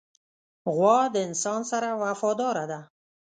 غوا د انسان سره وفاداره ده.